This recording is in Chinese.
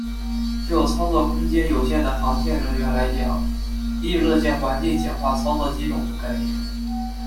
就操作空间有限的航舰人员来讲亦乐见环境简化操作机种的概念。